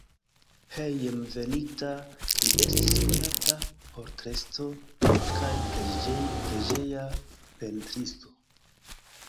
Hejmenveninta li estis konata portretisto kaj preĝeja pentristo.